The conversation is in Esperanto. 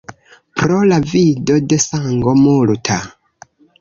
Pro la vido de sango multa.